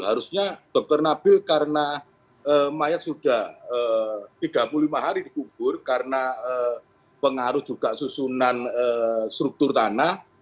harusnya dokter nabil karena mayat sudah tiga puluh lima hari dikubur karena pengaruh juga susunan struktur tanah